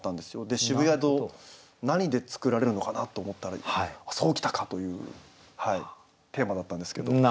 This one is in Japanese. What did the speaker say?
渋谷と何で作られるのかなと思ったら「そう来たか！」というテーマだったんですけど。